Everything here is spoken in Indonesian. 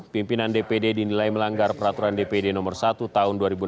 pimpinan dpd dinilai melanggar peraturan dpd nomor satu tahun dua ribu enam belas